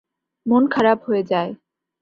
মন খারাপ হয়ে যায়।